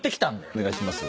お願いします。